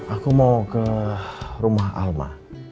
aku mau ke rumah al ma